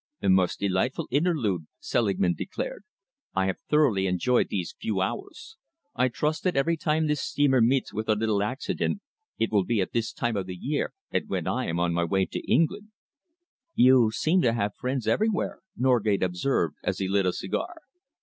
"A most delightful interlude," Selingman declared. "I have thoroughly enjoyed these few hours. I trust, that every time this steamer meets with a little accident, it will be at this time of the year and when I am on my way to England." "You seem to have friends everywhere," Norgate observed, as he lit a cigar.